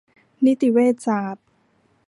นิติเวชศาสตร์